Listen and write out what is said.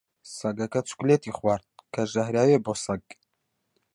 سەگەکە چوکلێتی خوارد، کە ژەهراوییە بۆ سەگ.